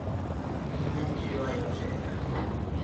Ngech ywayo tek